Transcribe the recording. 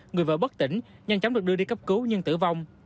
người vợ bất tỉnh nhanh chóng được đưa đi cấp cứu nhưng tử vong